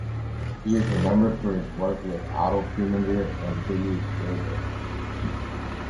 He is remembered for his work with Otto Preminger and Billy Wilder.